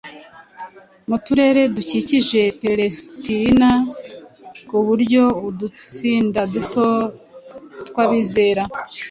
mu turere dukikije Palesitina ku buryo udutsinda duto tw’abizera